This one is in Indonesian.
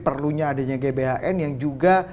perlunya adanya gbhn yang juga